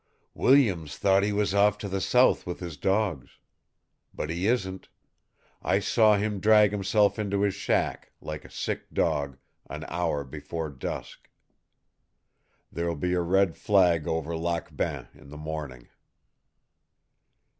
"Williams thought he was off to the south with his dogs. But he isn't. I saw him drag himself into his shack, like a sick dog, an hour before dusk. There'll be a red flag over Lac Bain in the morning."